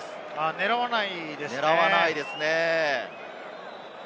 狙わないですね。